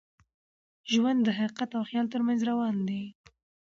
ژوند د حقیقت او خیال تر منځ روان وي.